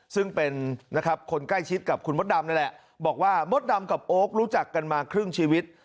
ซึ่งเป็นนะครับคนใกล้ชิดกับคุณมดดำนั่นแหละบอกว่ามดดำกับโอ๊ครู้จักกันมาครึ่งชีวิต